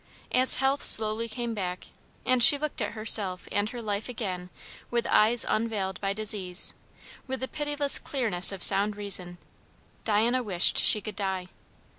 As health slowly came back, and she looked at herself and her life again with eyes unveiled by disease, with the pitiless clearness of sound reason, Diana wished she could die.